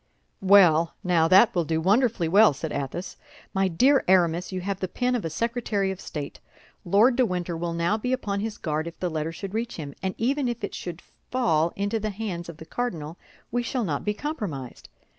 "Well, now that will do wonderfully well," said Athos. "My dear Aramis, you have the pen of a secretary of state. Lord de Winter will now be upon his guard if the letter should reach him; and even if it should fall into the hands of the cardinal, we shall not be compromised.